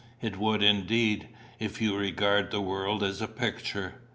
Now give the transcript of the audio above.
"It would indeed, if you regard the world as a picture.